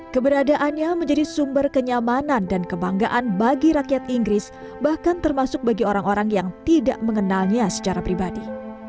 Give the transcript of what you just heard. keberadaannya menjadi sumber kenyamanan dan kebanggaan bagi rakyat inggris bahkan termasuk bagi orang orang yang tidak mengenalnya secara pribadi